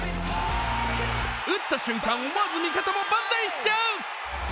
打った瞬間、思わず味方も万歳しちゃう！